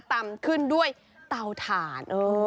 ตำขึ้นด้วยเตาถ่าน